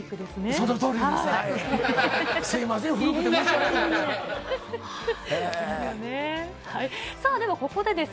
そのとおりです。